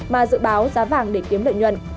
mà dự báo giá vàng để kiếm lợi nhuận